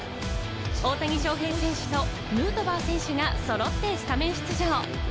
大谷翔平選手とヌートバー選手が、そろってスタメン出場。